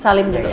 salim dulu ya